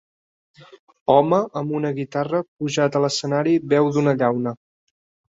home amb una guitarra pujat a l'escenari beu d'una llauna.